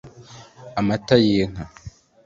amata y’inka